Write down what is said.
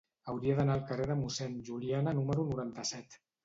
Hauria d'anar al carrer de Mossèn Juliana número noranta-set.